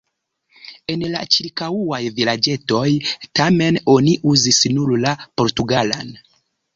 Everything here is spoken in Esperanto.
En la ĉirkaŭaj vilaĝetoj, tamen, oni uzis nur la portugalan.